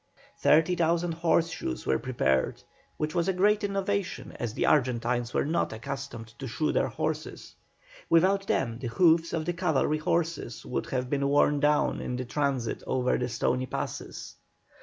Thirty thousand horseshoes were prepared, which was a great innovation, as the Argentines were not accustomed to shoe their horses; without them the hoofs of the cavalry horses would have been worn down in the transit over the stony passes.